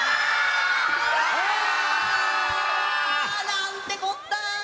なんてこった。